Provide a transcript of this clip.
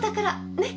ねっ？